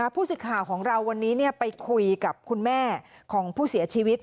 ผู้สื่อข่าวของเราวันนี้ไปคุยกับคุณแม่ของผู้เสียชีวิต